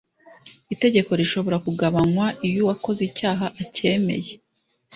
itegeko rishobora kugabanywa iyo uwakoze icyaha acyemeye